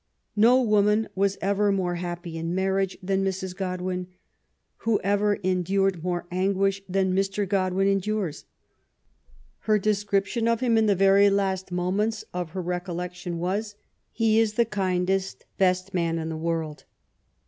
No woman was ever more happy in marriage than Mrs. Godwin. Who ever endured more anguish than Mr. Godwin endures ? Her de scription of him in the very last moments of her recollection was, He is the kindest, best man in the world.